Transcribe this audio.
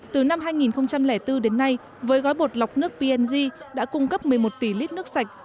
từ năm hai nghìn bốn đến nay với gói bột lọc nước png đã cung cấp một mươi một tỷ lít nước sạch